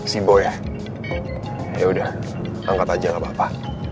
si bo ya ya udah angkat aja gak apa apa